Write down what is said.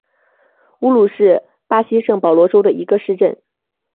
乌鲁是巴西圣保罗州的一个市镇。